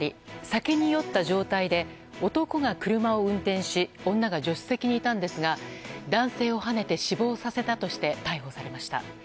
酒に酔った状態で男が車を運転し女が助手席にいたんですが男性をはねて死亡させたとして逮捕されました。